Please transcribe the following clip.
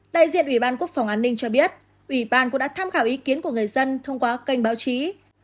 đại diện ủy ban quốc phòng an ninh cho biết ủy ban cũng đã tham khảo ý kiến của người dân thông qua kênh báo chí